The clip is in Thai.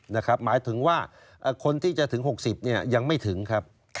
หมายถึงว่าคนที่จะถึง๖๐ยังไม่ถึงครับ